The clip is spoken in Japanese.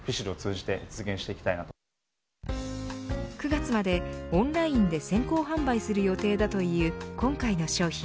９月までオンラインで先行販売する予定だという今回の商品。